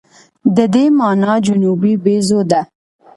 د دې مانا جنوبي بیزو ده.